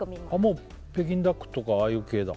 もう北京ダックとかああいう系だ